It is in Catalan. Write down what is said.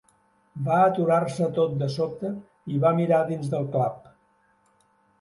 Va aturar-se tot de sobte i va mirar dins del clap.